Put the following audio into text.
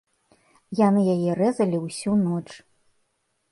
Яны яе рэзалі ўсю ноч.